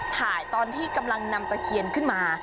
ตอนที่กำลังนำตะเคียนขึ้นมา